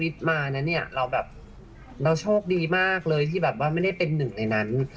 เธอรับทราบมากเลยที่ไม่ได้เป็นหนึ่งในนั้น